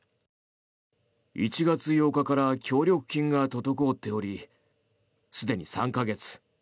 １月８日から協力金が滞っておりすでに３か月。